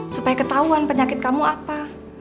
supaya ketahuan penyakit kamu apa